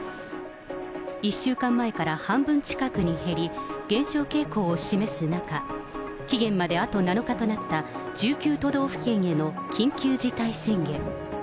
１週間前から半分近くに減り、減少傾向を示す中、期限まであと７日となった、１９都道府県への緊急事態宣言。